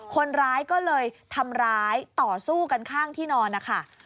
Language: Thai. คนร้ายก็เลยทำร้ายต่อสู้กันข้างที่นอนนะคะ